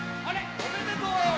おめでとう。